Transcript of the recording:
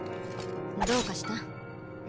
どうかした？